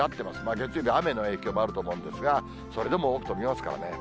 月曜日、雨の影響もあると思うんですが、それでも多く飛びますからね。